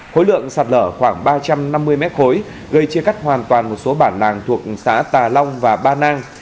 khối lượng sạt lở khoảng ba trăm năm mươi mét khối gây chia cắt hoàn toàn một số bản nàng thuộc xã tà long và ba nang